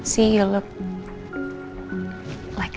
lihatlah kamu terlihat